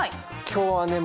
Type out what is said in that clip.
今日はね